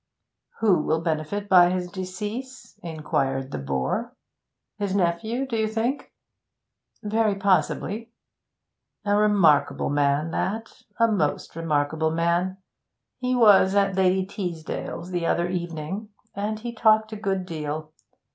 'Who will benefit by his decease?' inquired the bore. 'His nephew, do you think?' 'Very possibly.' 'A remarkable man, that a most remarkable man. He was at Lady Teasdale's the other evening, and he talked a good deal.